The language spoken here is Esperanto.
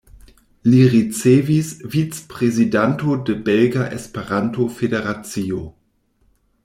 Li estis vic-prezidanto de Belga Esperanto-Federacio.